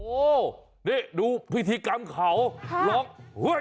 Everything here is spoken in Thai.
โอ้นี่ดูพิธีกรรมเขาหลอกอา